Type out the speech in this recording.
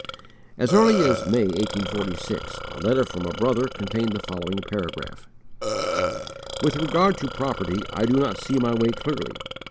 As early as May, 1846, a letter from a brother contained the following paragraph: "With regard to property, I do not see my way clearly.